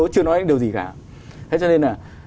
nó chưa nói được điều gì cả thế cho nên là